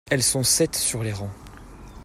Elles sont sept sur les rangs.